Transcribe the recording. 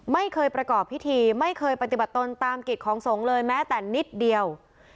ไม่เคยประกอบพิธีไม่เคยปฏิบัติตนตามกิจของสงฆ์เลยแม้แต่นิดเดียว